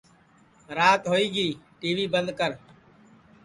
راتی ہوئی گی ٹی وی بند کر